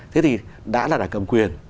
thế thì đã là đảng cầm quyền